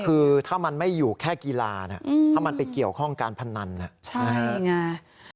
คือถ้ามันไม่อยู่แค่กีฬาเนี่ยอืมถ้ามันไปเกี่ยวข้องการพนันน่ะใช่ไง